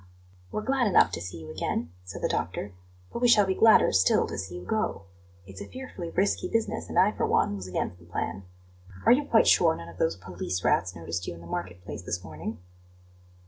"We're glad enough to see you again," said the doctor; "but we shall be gladder still to see you go. It's a fearfully risky business, and I, for one, was against the plan. Are you quite sure none of those police rats noticed you in the market place this morning?"